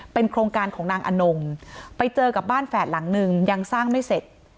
โครงการของนางอนงไปเจอกับบ้านแฝดหลังนึงยังสร้างไม่เสร็จ